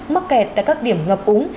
mắc kẹt tại các điểm ngập úng